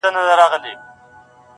o غوړي لا غوړ!